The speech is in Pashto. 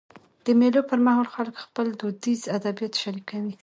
د مېلو پر مهال خلک خپل دودیز ادبیات شريکوي.